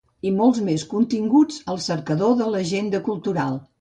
I molts més continguts al cercador de l'Agenda Cultural.